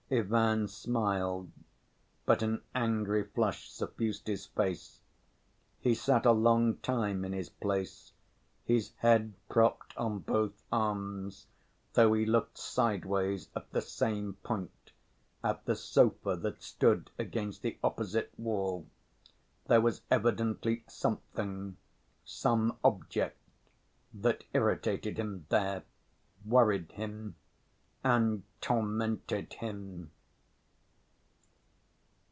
Ivan smiled, but an angry flush suffused his face. He sat a long time in his place, his head propped on both arms, though he looked sideways at the same point, at the sofa that stood against the opposite wall. There was evidently something, some object, that irritated him there, worried him and tormented him.